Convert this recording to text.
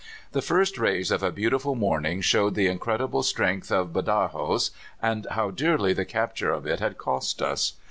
The first rays of a beautiful morning showed the incredible strength of Badajos, and how dearly the capture of it had cost us.